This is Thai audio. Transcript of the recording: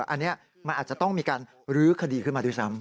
อันนี้มันอาจจะต้องมีการลื้อคดีขึ้นมาด้วยซ้ำ